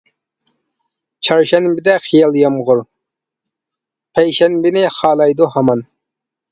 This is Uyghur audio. چارشەنبىدە خىيال يامغۇرى، پەيشەنبىنى خالايدۇ ھامان.